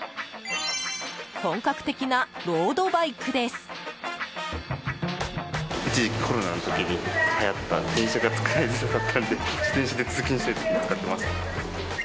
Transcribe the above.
本格的なロードバイクです。